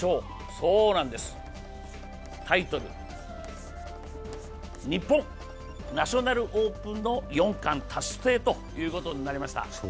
そうなんです、タイトル日本ナショナルオープンの４冠達成ということになりました。